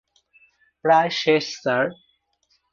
প্রায় শেষ, স্যার।